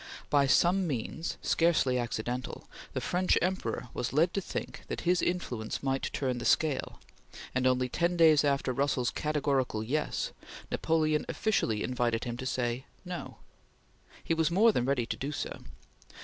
By some means, scarcely accidental, the French Emperor was led to think that his influence might turn the scale, and only ten days after Russell's categorical "Yes!" Napoleon officially invited him to say "No!" He was more than ready to do so.